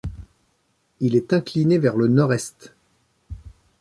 Il est incliné vers le nord-est.